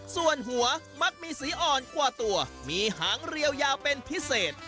ส่วนหัวมักมีสีอ่อนกว่าตัวมีหางเรียวยาวเป็นพิเศษ